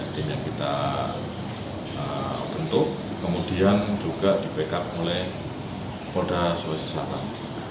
tim yang kita bentuk kemudian juga di backup oleh polda sulawesi selatan